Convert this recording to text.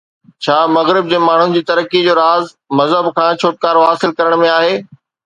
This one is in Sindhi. ڇا مغرب جي ماڻهن جي ترقيءَ جو راز مذهب کان ڇوٽڪارو حاصل ڪرڻ ۾ آهي؟